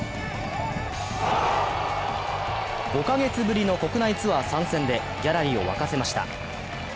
５か月ぶりの国内ツアー参戦でギャラリーを沸かせました。